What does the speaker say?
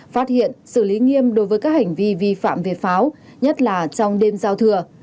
phát hiện xử lý nghiêm đối với các hành vi vi phạm về pháo nhất là trong đêm giao thừa